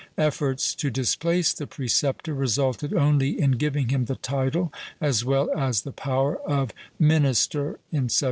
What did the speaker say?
Efforts to displace the preceptor resulted only in giving him the title, as well as the power, of minister in 1726.